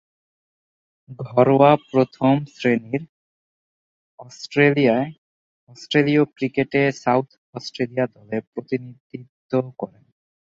ঘরোয়া প্রথম-শ্রেণীর অস্ট্রেলীয় ক্রিকেটে সাউথ অস্ট্রেলিয়া দলের প্রতিনিধিত্ব করেন।